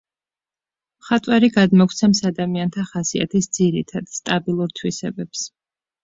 მხატვარი გადმოგვცემს ადამიანთა ხასიათის ძირითად, სტაბილურ თვისებებს.